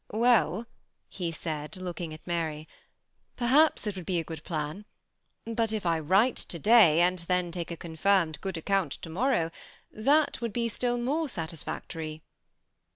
" Well," he said, looking at Mary, " perhaps it would be a good plan ; but if I write to day, and then take a confirmed good account to morrow, that would be still more satisfactory."